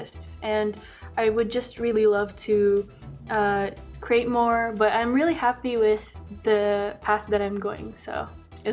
saya akan sangat suka membuat lebih banyak tapi saya sangat senang dengan jalan yang saya jalan